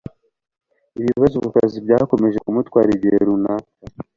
Ibibazo ku kazi byakomeje kumutwara igihe runaka